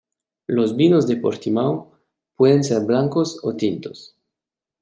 Los vinos de Portimão pueden ser blancos o tintos.